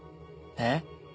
え？